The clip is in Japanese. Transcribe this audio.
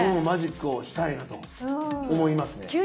マジックをしたいなと思いますね。